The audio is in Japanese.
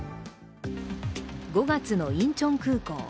５月のインチョン空港。